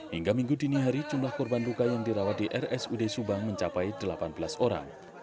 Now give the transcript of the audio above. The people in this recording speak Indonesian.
hingga minggu dini hari jumlah korban luka yang dirawat di rsud subang mencapai delapan belas orang